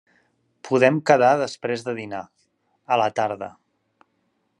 Podem quedar després de dinar, a la tarda.